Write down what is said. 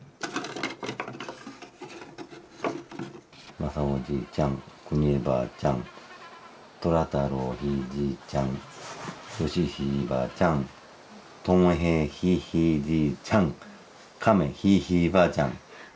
まさおじいちゃんくにえばあちゃんとらたろうひいじいちゃんよしひいばあちゃんともへいひいひいじいちゃんかめひいひいばあちゃん。